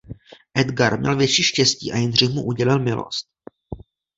Edgar měl větší štěstí a Jindřich mu udělil milost.